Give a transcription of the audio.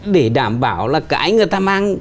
để đảm bảo là cái người ta mang